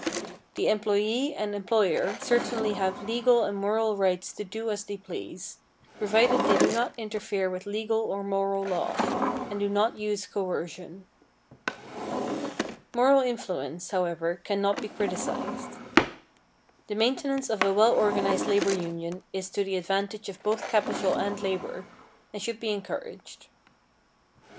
The employee and employer certainly have legal and moral rights to do as they please, provided they do not interfere with legal or moral law, and do not use coercion. Moral influence, however, cannot be criticised. The maintenance of a well organized labor union is to the advantage of both capital and labor, and should be encouraged.